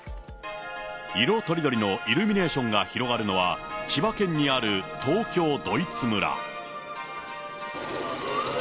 色とりどりのイルミネーションが広がるのは千葉県にある東京ドイツ村。